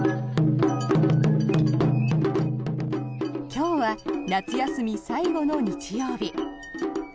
今日は夏休み最後の日曜日。